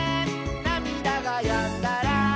「なみだがやんだら」